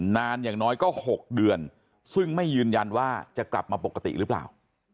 อย่างน้อยก็๖เดือนซึ่งไม่ยืนยันว่าจะกลับมาปกติหรือเปล่า